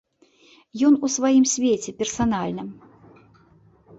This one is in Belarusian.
Ён у сваім свеце персанальным.